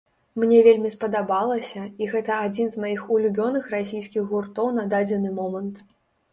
Мне вельмі спадабалася, і гэта адзін з маіх улюбёных расійскіх гуртоў на дадзены момант.